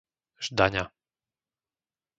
Ždaňa